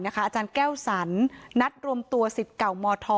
อาจารย์แก้วสันนัดรวมตัวสิทธิ์เก่ามธ